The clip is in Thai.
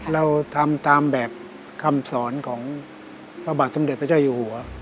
เราทำตามแบบคำสอนของพระบาทสมเด็จพระเจ้าอยู่หัว